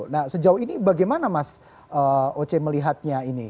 nah sejauh ini bagaimana mas oce melihatnya ini